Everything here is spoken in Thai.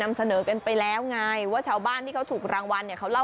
มันเยอะนะ